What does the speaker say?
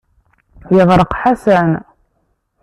Yeɣreq Ḥasan.